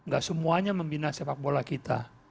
gak semuanya membina sepak bola kita